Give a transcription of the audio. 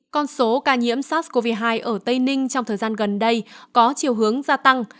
con số ca nhiễm sars cov hai ở tây ninh trong thời gian gần đây có chiều hướng gia tăng